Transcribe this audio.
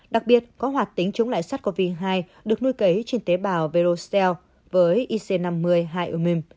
đặc biệt có hoạt tính chống lại sát covid hai được nuôi kế trên tế bào verostel với ic năm mươi hai u mim